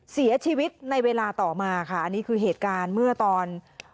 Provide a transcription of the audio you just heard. เสียชีวิตในเวลาต่อมาค่ะอันนี้คือเหตุการณ์เมื่อตอน